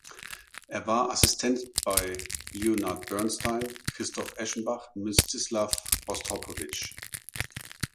Er war Assistent bei Leonard Bernstein, Christoph Eschenbach, Mstislaw Rostropowitsch.